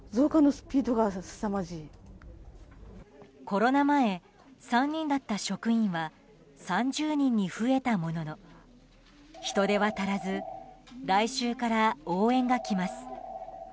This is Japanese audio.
コロナ前、３人だった職員は３０人に増えたものの人手は足らず来週から応援が来ます。